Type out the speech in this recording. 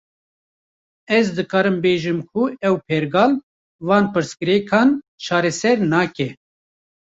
Ez dikarim bêjim ku ev pergal, van pirsgirêkan çareser nake